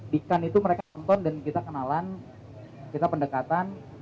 dikan itu mereka nonton dan kita kenalan kita pendekatan